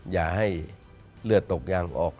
อย่าให้เลือดตกยางออก